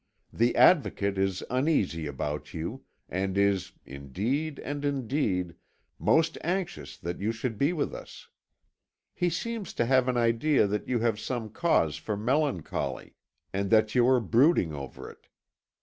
The Advocate is uneasy about you, and is, indeed and indeed, most anxious that you should be with us. He seems to have an idea that you have some cause for melancholy, and that you are brooding over it.